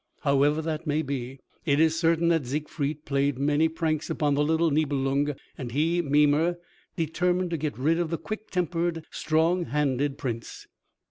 However that may be, it is certain that Siegfried played many pranks upon the little Nibelung, and he, Mimer, determined to get rid of the quick tempered, strong handed Prince.